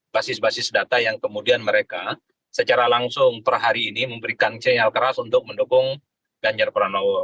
basis basis data yang kemudian mereka secara langsung per hari ini memberikan sinyal keras untuk mendukung ganjar pranowo